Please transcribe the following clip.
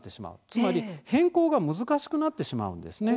つまり変更が難しくなってしまうんですね。